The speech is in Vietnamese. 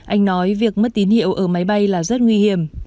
anh nói việc mất tín hiệu ở máy bay là rất nguy hiểm